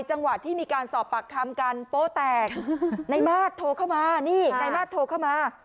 จังหวะที่มีการสอบปากคำกันโป๊แตกนายมาสโทรเข้ามานี่นายมาสโทรเข้ามา